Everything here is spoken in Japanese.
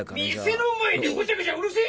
店の前でごちゃごちゃうるせ！